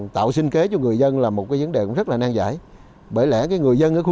tạo sinh kế cho người dân là một cái vấn đề cũng rất là nan giải bởi lẽ người dân ở khu